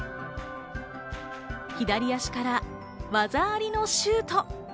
左足から技ありのシュート。